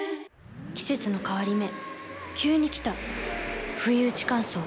季節の変わり目急に来たふいうち乾燥。